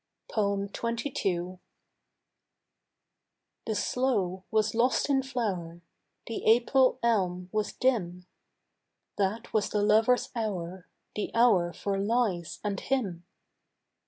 XXII. The sloe was lost in flower, The April elm was dim; That was the lover's hour, The hour for lies and him.